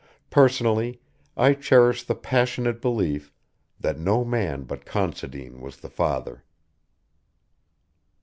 Personally I cherish the passionate belief that no man but Considine was the father.